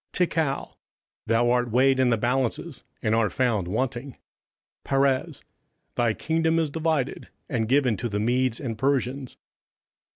27:005:027 TEKEL; Thou art weighed in the balances, and art found wanting. 27:005:028 PERES; Thy kingdom is divided, and given to the Medes and Persians.